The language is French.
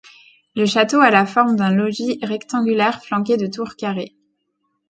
Le château a la forme d'un logis rectangulaire flanqué de tours carrées.